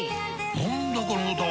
何だこの歌は！